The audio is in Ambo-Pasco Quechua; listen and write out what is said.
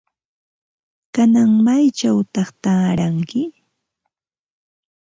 ¿Kanan maychawta taaranki?